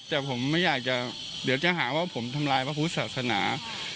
แต่ผมไม่อยากจะเดี๋ยวจะหาว่าผมทำลายพระพุทธศาสนา